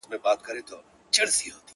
• مور يې پر سد سي په سلگو يې احتمام سي ربه.